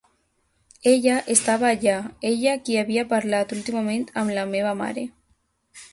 Ella estava allà, ella qui havia parlat últimament amb la meva mare.